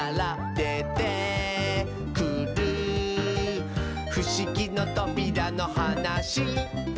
「でてくるふしぎのとびらのはなし」